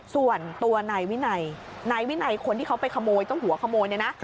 ส่วนตัวนายวินัยนายวินัยคนที่เขาไปขโมยเจ้าหัวขโมยเนี่ยนะ